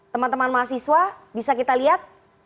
teman teman mahasiswa bisa kita lihat